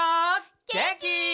げんき？